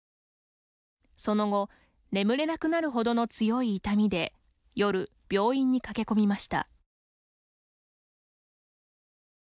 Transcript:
その後、眠れなくなるほどの強い痛みで夜、病院に駆け込みました。